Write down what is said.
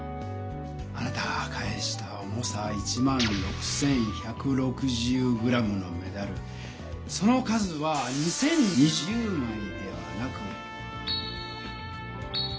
あなたが返した重さ１６１６０ｇのメダルその数は２０２０枚ではなく。